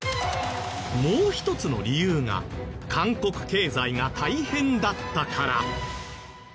もう一つの理由が韓国経済が大変だったから。